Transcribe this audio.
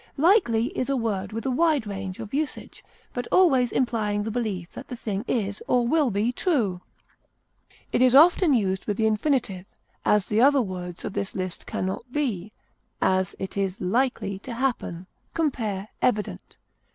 Likely is a word with a wide range of usage, but always implying the belief that the thing is, or will be, true; it is often used with the infinitive, as the other words of this list can not be; as, it is likely to happen. Compare EVIDENT.